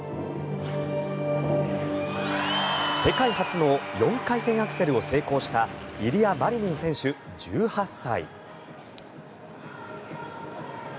世界初の４回転アクセルを成功したイリア・マリニン選手、１８歳。